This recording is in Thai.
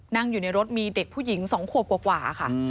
นั่งอยู่ในรถมีเด็กผู้หญิง๒ขวบกว่าค่ะ